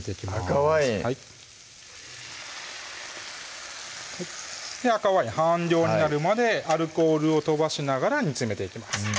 赤ワイン赤ワイン半量になるまでアルコールを飛ばしながら煮詰めていきます